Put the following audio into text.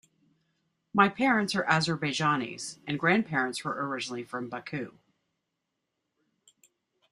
My parents are Azerbaijanis, and grandparents were originally from Baku.